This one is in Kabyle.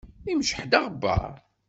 Imceḥ-d aɣebbar.